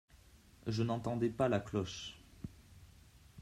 Je n’entendais pas la cloche.